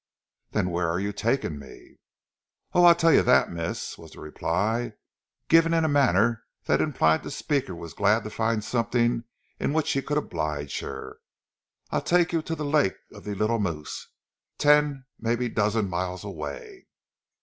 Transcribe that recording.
"Then where are you taking me?" "Oh Ah tell you dat, mees!" was the reply, given in a manner that implied that the speaker was glad to find something in which he could oblige her. "Ah tak' you to see lak' of zee Leetle Moose, ten, maybe douze miles away."